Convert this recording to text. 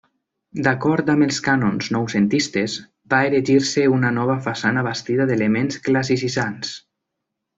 D'acord amb els cànons noucentistes, va erigir-se una nova façana bastida d'elements classicitzants.